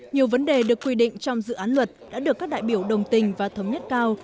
nhiều vấn đề được quy định trong dự án luật đã được các đại biểu đồng tình và thống nhất cao